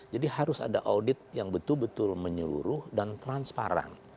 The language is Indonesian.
harus ada audit yang betul betul menyeluruh dan transparan